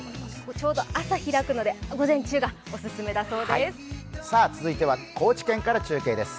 ちょうど朝開くので午前中がお勧めだそうです。